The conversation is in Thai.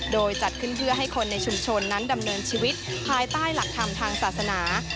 โดยจัดขึ้นเพื่อให้คนในชุมชนนั้นดำเนินชีวิตภายใต้หลักธรรมทางศาสนา